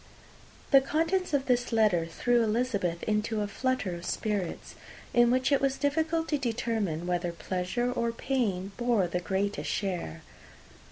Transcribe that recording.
The contents of this letter threw Elizabeth into a flutter of spirits, in which it was difficult to determine whether pleasure or pain bore the greatest share.